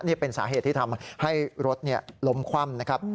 นี่เป็นสาเหตุที่ทำให้รถล้มคว่ำนะครับ